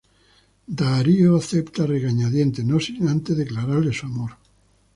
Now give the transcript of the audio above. Daario acepta a regañadientes, no sin antes declararle su amor.